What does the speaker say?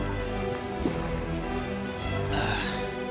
ああ！